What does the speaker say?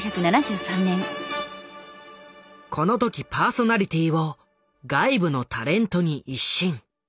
この時パーソナリティーを外部のタレントに一新。